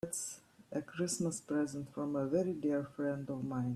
That's a Christmas present from a very dear friend of mine.